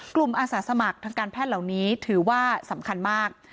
อาสาสมัครทางการแพทย์เหล่านี้ถือว่าสำคัญมาก